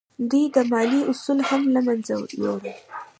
دوی د مالیې اصول هم له منځه یوړل.